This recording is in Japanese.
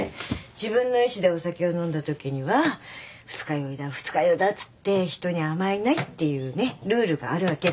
自分の意思でお酒を飲んだときには二日酔いだ二日酔いだっつって人に甘えないっていうねルールがあるわけ。